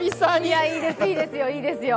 いや、いいですよ、いいですよ。